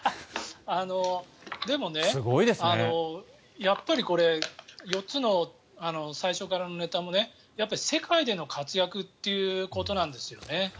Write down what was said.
でもね、やっぱりこれ４つの最初からのネタも世界での活躍ということなんですよね。